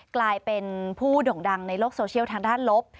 กลายเป็นผู้โด่งดังในโลกโซเชียลทางด้านลบ